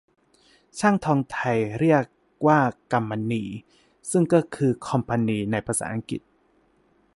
ช่างทองไทยเรียกว่ากำมนี ซึ่งก็คือคอมพานีในภาษาอังกฤษ